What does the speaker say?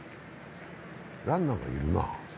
ランナーもいるな。